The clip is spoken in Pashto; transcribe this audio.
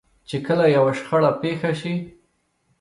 چې کله يوه شخړه پېښه شي.